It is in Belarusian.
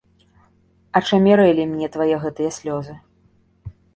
Ачамярэлі мне твае гэтыя слёзы.